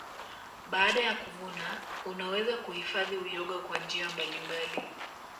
Baada ya kuvuna unaweza kuuhifadhi uyoga kwa njia mbalimbali